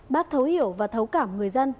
bác thấu hiểu và thấu cảm người dân